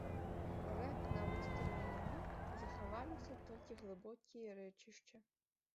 Рэк на востраве няма, захаваліся толькі глыбокія рэчышча.